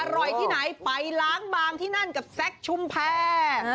อร่อยที่ไหนไปล้างบางที่นั่นกับแซคชุมแพร